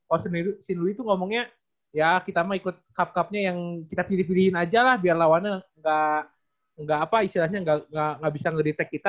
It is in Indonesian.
oh st louis itu ngomongnya ya kita mah ikut cup cup nya yang kita pilih pilihin aja lah biar lawannya gak apa istilahnya gak bisa nge detect kita